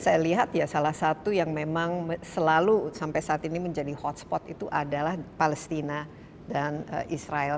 saya lihat ya salah satu yang memang selalu sampai saat ini menjadi hotspot itu adalah palestina dan israel